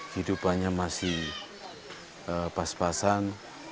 hidupannya masih pas pasan